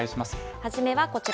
初めはこちら。